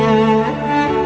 suara kamu indah sekali